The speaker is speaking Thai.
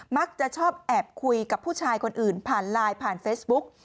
มักจะชอบแอบคุยกับผู้ชายคนอื่นผ่านไลน์ผ่านเฟซบุ๊ก